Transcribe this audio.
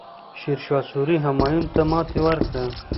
شیرشاه سوري همایون ته ماتې ورکړه.